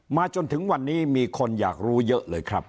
จนถึงวันนี้มีคนอยากรู้เยอะเลยครับ